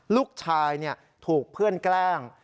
ลูกชายถูกเพื่อนแกล้ง